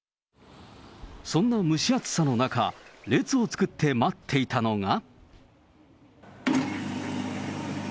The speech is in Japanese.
そんな蒸し暑さの中、列を作って待っていたのが。